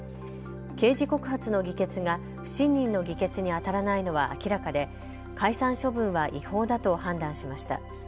刑事告発の議決が不信任の議決にあたらないのは明らかで解散処分は違法だと判断しました。